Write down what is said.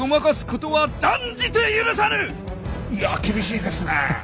いやあ厳しいですねえ！